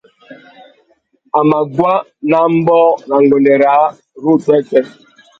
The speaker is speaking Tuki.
A mà guá nà ambōh râ nguêndê râā upwêpwê.